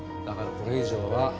だからこれ以上は。